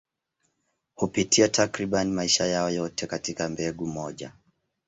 Hupitia takriban maisha yao yote katika mbegu moja.